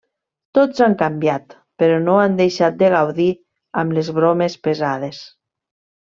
Tots han canviat, però no han deixat de gaudir amb les bromes pesades.